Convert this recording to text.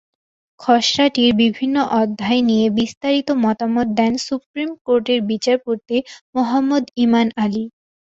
খসড়াটির বিভিন্ন অধ্যায় নিয়ে বিস্তারিত মতামত দেন সুপ্রিম কোর্টের বিচারপতি মোহাম্মদ ইমান আলী।